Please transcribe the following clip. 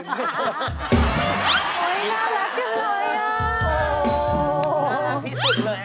โอ๊ยน่ารักจังเลย